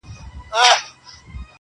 یعنی زمونږ د وجود ژورو کې